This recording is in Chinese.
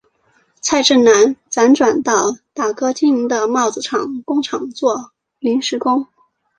蔡振南辗转到大哥经营的帽子工厂做临时工。